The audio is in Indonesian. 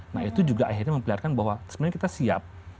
nah itu juga akhirnya memperlihatkan bahwa sebenarnya kita siap